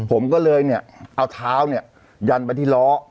ผมก็เลยเนี่ยเอาเท้าเนี่ยยันไปที่ล้อ